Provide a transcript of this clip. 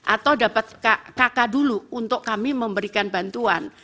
atau dapat kakak dulu untuk kami memberikan bantuan